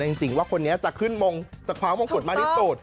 แต่จริงว่าคนนี้จะขึ้นมงคุณมาที่สุด